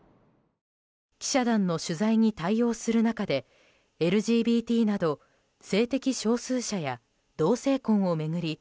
記者団の取材に対応する中でＬＧＢＴなど性的少数者や同性婚を巡り